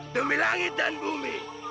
demi langit dan bumi